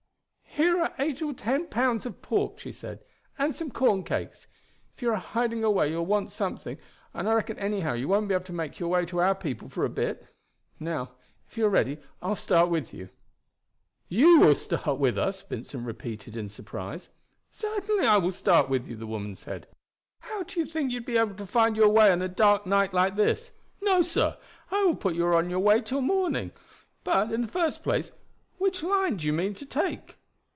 "Here are eight or ten pounds of pork," she said, "and some corn cakes. If you are hiding away you will want something, and I reckon anyhow you won't be able to make your way to our people for a bit. Now, if you are ready I will start with you." "You will start with us!" Vincent repeated in surprise. "Certainly I will start with you," the woman said. "How do you think you would be able to find your way a dark night like this? No, sir; I will put you on your way till morning. But, in the first place, which line do you mean to take?"